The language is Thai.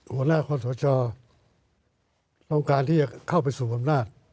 หัวหน้าคนประชาตร์โดนการที่จะเข้าไปสู่อำนาจ